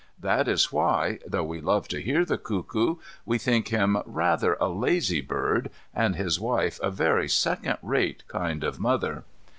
That is why, though we love to hear the cuckoo, we think him rather a lazy bird, and his wife a very second rate kind of mother.